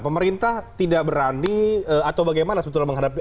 pemerintah tidak berani atau bagaimana sebetulnya menghadapi